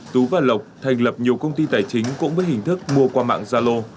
tú và lộc thành lập nhiều công ty tài chính cũng với hình thức mua qua mạng gia lô